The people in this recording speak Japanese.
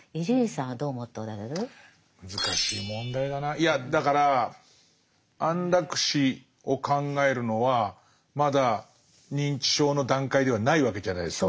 いやだから安楽死を考えるのはまだ認知症の段階ではないわけじゃないですか。